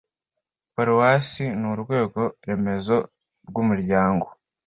paruwase ni urwego remezo rw umuryango